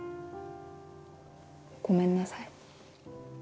ごめんなさい。